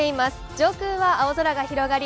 上空は青空が広がり